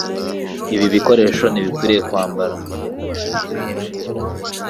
Ibi bikoresho ntibikwiriye kwambara.